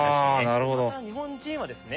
また日本人はですね